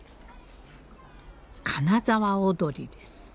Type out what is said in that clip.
金沢おどりです。